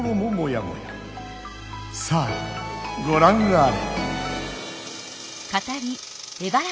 さあごらんあれ！